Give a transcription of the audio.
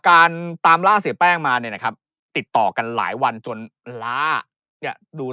การตามล่าเสียแป้งมานะครับติดต่อกันหลายวันจนล่าดู